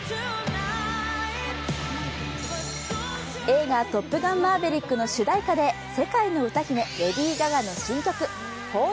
映画「トップガンマーヴェリック」の主題歌で世界の歌姫レディー・ガガの新曲「ＨｏｌｄＭｙＨａｎｄ」。